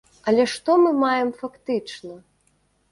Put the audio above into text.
Але што мы маем фактычна?